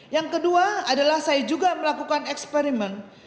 yang kedua adalah saya juga melakukan eksperimen